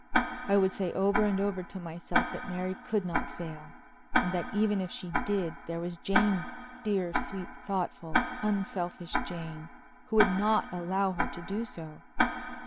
I would say over and over to myself that Mary could not fail, and that even if she did, there was Jane, dear, sweet, thoughtful, unselfish Jane, who would not allow her to do so.